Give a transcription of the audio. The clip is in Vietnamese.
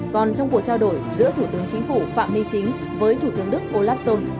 còn trong cuộc trao đổi giữa thủ tướng chính phủ phạm minh chính với thủ tướng đức olaf schol